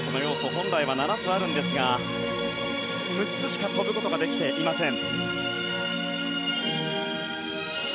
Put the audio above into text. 本来は７つあるんですが６つしか跳ぶことができていません。